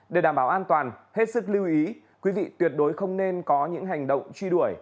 để đảm bảo an toàn hết sức lưu ý quý vị tuyệt đối không nên có những hành động truy đuổi